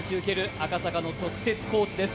赤坂の特設コースです。